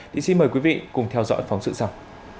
thì xin mời quý vị cùng theo dõi phóng sự sau